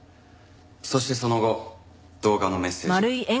そしてその後動画のメッセージが。